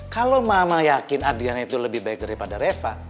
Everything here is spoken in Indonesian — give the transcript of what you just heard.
kalau mama yakin adriana itu lebih baik daripada reva